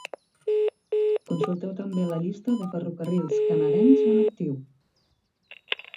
Consulteu també la llista de ferrocarrils canadencs en actiu.